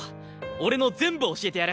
俺の全部教えてやる！